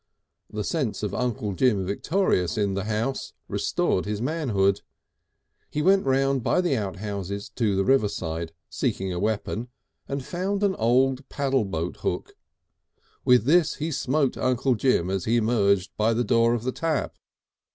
The sense of Uncle Jim victorious in the house restored his manhood. He went round by the outhouses to the riverside, seeking a weapon, and found an old paddle boat hook. With this he smote Uncle Jim as he emerged by the door of the tap.